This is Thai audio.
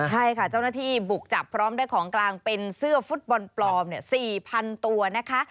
ใช่ค่ะเจ้าหน้าที่บุกจับพร้อมได้ของกลางเป็นเสื้อฟุตบอลปลอม๔๐๐๐ตัวนะคะ